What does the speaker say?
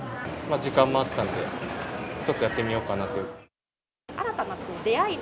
時間もあったんで、ちょっとやってみようかなと。